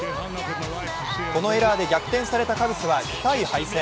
このエラーで逆転されたカブスは痛い敗戦。